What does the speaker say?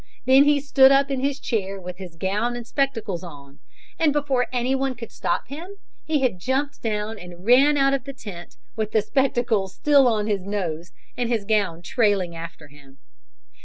Then he stood up in his chair with his gown and spectacles on, and before anyone could stop him he had jumped down and ran out of the tent, with the spectacles still on his nose and his gown trailing after him.